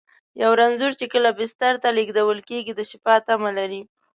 یو رنځور چې کله بستر ته لېږدول کېږي، د شفا تمه لري.